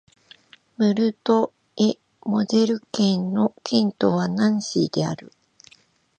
ムルト＝エ＝モゼル県の県都はナンシーである